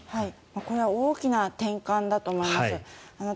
これは大きな転換だと思います。